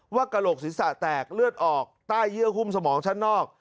กระโหลกศีรษะแตกเลือดออกใต้เยื่อหุ้มสมองชั้นนอก